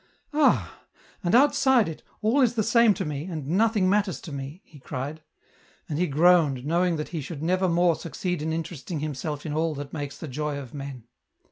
" Ah ! and outside it, all is the same to me, and nothing matters to me," he cried. And he groaned, knowing that he should never more succeed in interesting himself in all that makes the joy of men.